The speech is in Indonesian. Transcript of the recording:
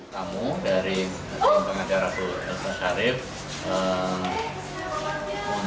kamu dari pengadara tuhan